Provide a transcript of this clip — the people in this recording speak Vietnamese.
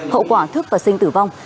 hậu quả thức và sinh tử vong